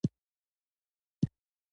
سمې خبرې کړه .